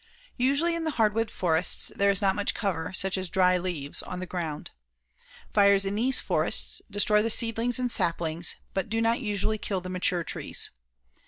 Usually in the hardwood forests, there is not much cover, such as dry leaves, on the ground. Fires in these forests destroy the seedlings and saplings, but do not usually kill the mature trees.